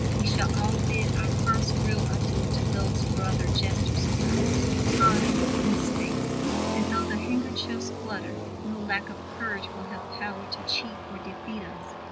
We shall all bid our first real adieu to those brother jesters of ours, Time; and Space; and though the handkerchiefs flutter, no lack of courage will have power to cheat or defeat us.